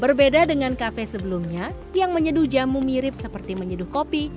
berbeda dengan kafe sebelumnya yang menyeduh jamu mirip seperti menyeduh kopi